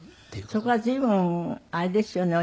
そこは随分あれですよね。